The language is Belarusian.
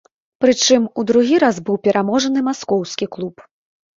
Прычым, у другі раз быў пераможаны маскоўскі клуб.